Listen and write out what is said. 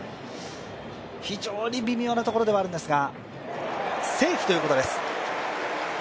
非常に微妙なところではあるんですが、セーフということです。